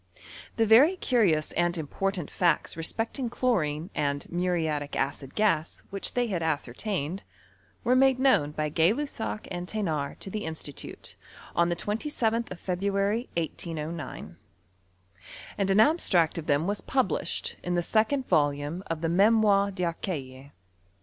Tlie very curious and important facts respecting chlorine and muriatic acid gas which they had ascer tdned, were made known by Gay Lussac and The nard to the Institute, on the27th of February, 1809, and an abstract of them was published in thesecond volume of the Memoires d'Arcueil.